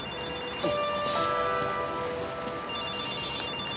はい。